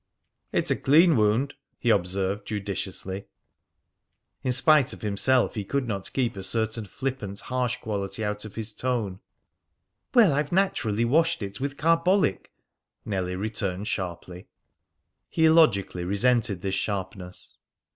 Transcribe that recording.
"It's a clean wound," he observed judiciously. In spite of himself, he could not keep a certain flippant harsh quality out of his tone. "Well, I've naturally washed it with carbolic," Nellie returned sharply. He illogically resented this sharpness.